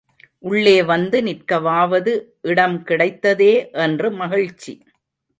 உள்ளே வந்து நிற்கவாவது இடம், கிடைத்ததே என்று மகிழ்ச்சி.